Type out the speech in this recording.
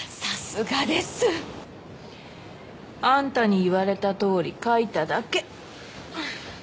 さすがです！あんたに言われたとおり書いただけ。